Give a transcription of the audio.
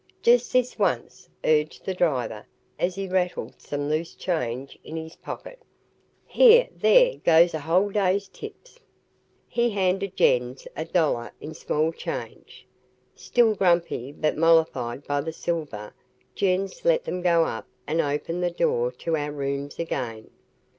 "Just this once," urged the driver, as he rattled some loose change in his pocket. "Here there goes a whole day's tips." He handed Jens a dollar in small change. Still grumpy but mollified by the silver Jens let them go up and opened the door to our rooms again.